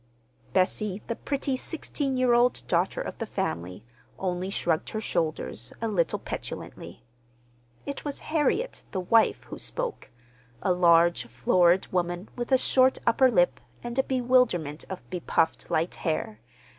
Bessie, the pretty, sixteen year old daughter of the family, only shrugged her shoulders a little petulantly. It was Harriet, the wife, who spoke—a large, florid woman with a short upper lip, and a bewilderment of bepuffed light hair.